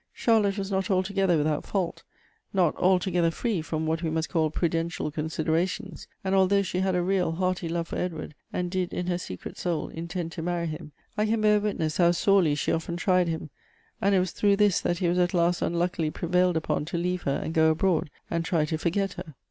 " Charlotte was not altogether without fault — not alto gether free from what we must call prudential considera tions ; and although she had a real, hearty love for Edward, and did in her secret soul intend to many him, I can bear witness how sorely she often tried him ; and it was through this that he was at last unluckily prevailed upon to leave her and go abroad, and try to forget her."